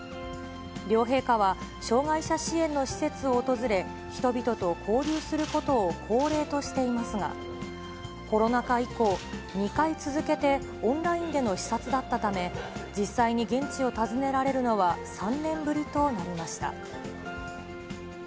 両陛下は障がい者支援の施設を訪れ、人々と交流することを恒例としていますが、コロナ禍以降、２回続けてオンラインでの視察だったため、実際に現地を訪ねられるのは３年ぶりとなりました。